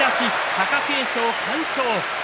貴景勝、完勝。